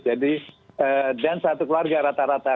jadi dan satu keluarga rata rata